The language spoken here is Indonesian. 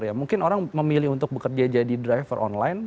ya mungkin orang memilih untuk bekerja jadi driver online